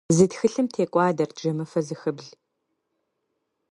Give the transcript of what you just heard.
Зы тхылъым текӏуадэрт жэмыфэ зыхыбл.